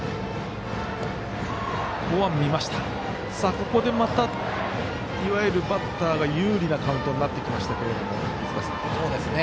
ここでまたいわゆるバッターが有利なカウントになってきました飯塚さん。